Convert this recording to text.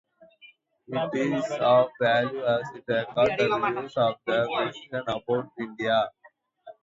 It is of value as it records the beliefs of the Persians about India.